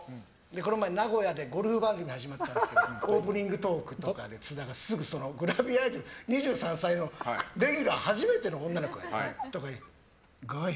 このあいだ名古屋でゴルフ番組始まったんですけどオープニングトーク撮ったら津田がすぐそばにいたグラビアアイドルの２３歳のレギュラー初めての女の子にゴイ。